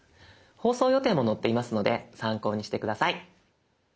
放送予定も載っていますので参考にして下さい。